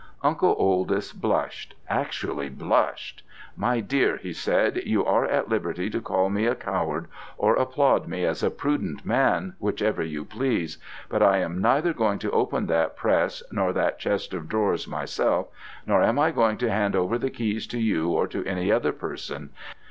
Uncle Oldys blushed, actually blushed. 'My dear,' he said, 'you are at liberty to call me a coward, or applaud me as a prudent man, whichever you please. But I am neither going to open that press nor that chest of drawers myself, nor am I going to hand over the keys to you or to any other person.